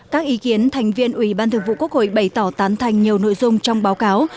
các ý kiến thành viên ủy ban thường vụ quốc hội bày tỏ tán thành nhiều nội dung trong báo cáo